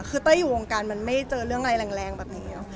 คือเต้ยอยู่วงการมันไม่เจอเรื่องอะไรแรงแบบนี้